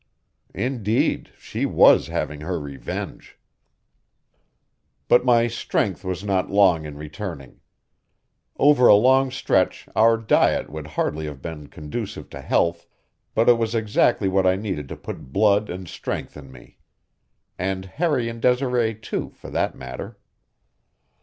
Indeed, she was having her revenge! But my strength was not long in returning. Over a long stretch our diet would hardly have been conducive to health, but it was exactly what I needed to put blood and strength in me. And Harry and Desiree, too, for that matter.